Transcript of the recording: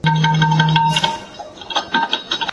تاسي مجنونانو خو غم پرېـښودی وه نـورو تـه